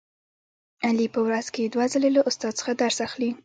علي په ورځ کې دوه ځلې له استاد څخه درس اخلي.